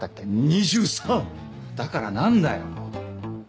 ２３！だから何だよ。